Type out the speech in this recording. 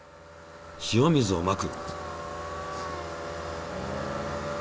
塩水をまく。